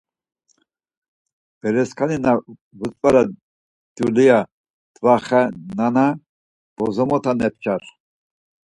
Beresǩani na vutzvare dulia dvaxenana bozomota mepçar!